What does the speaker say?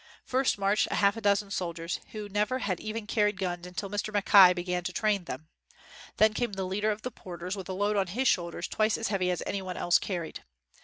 First marched a half dozen soldiers, who never had even carried guns until Mr. Mackay began to train them. Then came the leader of the porters with a load on his shoulders twice as heavy as any one else carried.